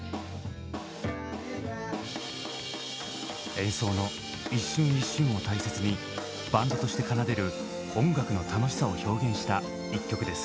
演奏の一瞬一瞬を大切にバンドとして奏でる音楽の楽しさを表現した一曲です。